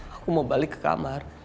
aku mau balik ke kamar